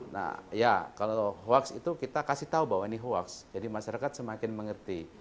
nah ya kalau hoax itu kita kasih tahu bahwa ini hoax jadi masyarakat semakin mengerti